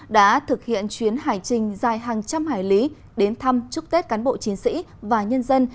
đã thực hiện chuyến hải trình dài hàng trăm hải lý đến thăm chúc tết cán bộ chiến sĩ và nhân dân